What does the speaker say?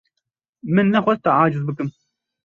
Min nexwest te aciz bikim.